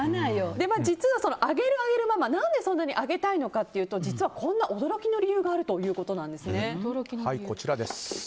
実は、あげるあげるママ何でそんなにあげたいのかというと実は、こんな驚きの理由があるということなんですね。